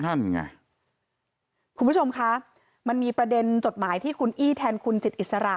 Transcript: นั่นไงคุณผู้ชมคะมันมีประเด็นจดหมายที่คุณอี้แทนคุณจิตอิสระ